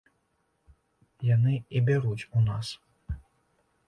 Яны і бяруць у нас.